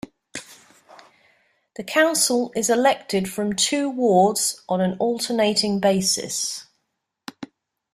The Council is elected from two wards on an alternating basis.